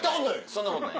そんなことない。